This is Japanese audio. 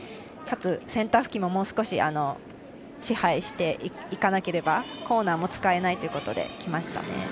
かつ、選択肢ももう少し支配していかないとコーナーも使えないということで来ましたね。